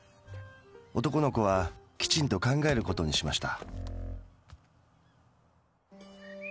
男の子はきちんと考えることにしました。